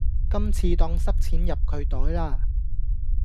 今次當塞錢入佢袋啦